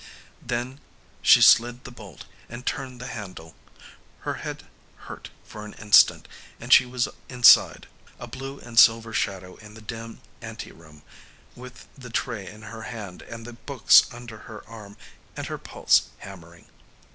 Then she slid the bolt and turned the handle. Her head hurt for an instant; and she was inside, a blue and silver shadow in the dim anteroom, with the tray in her hand and the books under her arm and her pulse hammering.